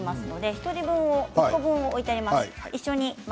１人分、１個分、置いてあります。